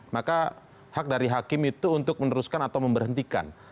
maka hak dari hakim itu untuk meneruskan atau memberhentikan